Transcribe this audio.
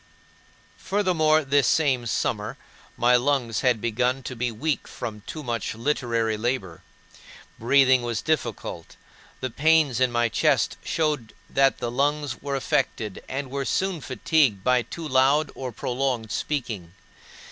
4. Furthermore, this same summer my lungs had begun to be weak from too much literary labor. Breathing was difficult; the pains in my chest showed that the lungs were affected and were soon fatigued by too loud or prolonged speaking.